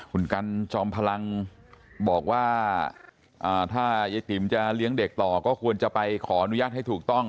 คุณกันจอมพลังบอกว่าถ้ายายติ๋มจะเลี้ยงเด็กต่อก็ควรจะไปขออนุญาตให้ถูกต้อง